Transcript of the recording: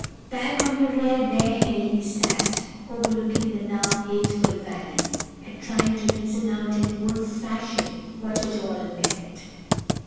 Back on a great bare hill he sat, overlooking the now hateful valley, and trying to reason out in wolf fashion what it all meant.